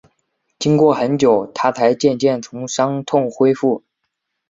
经过很久，她才渐渐从伤痛恢复